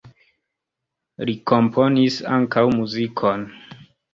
Li komponis ankaŭ muzikon.